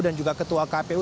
dan juga ketua kpu